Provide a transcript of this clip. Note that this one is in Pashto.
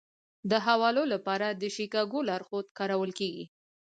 د حوالو لپاره د شیکاګو لارښود کارول کیږي.